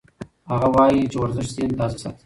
هغه وایي چې ورزش ذهن تازه ساتي.